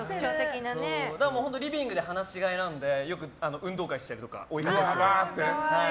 リビングで放し飼いなのでよく運動会したりとか。